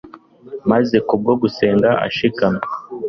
maze kubwo gusenga ashikamye,